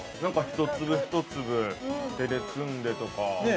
◆一粒一粒、手で摘んでとか。